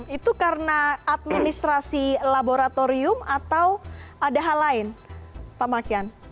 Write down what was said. itu karena administrasi laboratorium atau ada hal lain pak makian